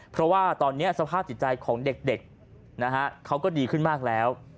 เพราะว่าตอนนี้สภาพจิตใจของเด็กเขาก็ดีขึ้นมากแล้ว